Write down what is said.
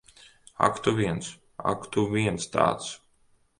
Ak tu viens. Ak, tu viens tāds!